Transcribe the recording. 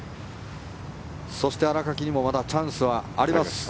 そして、新垣にもまだチャンスはあります。